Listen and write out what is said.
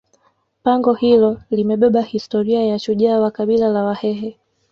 pango hilo limebeba historia ya shujaa wa kabila la wahehe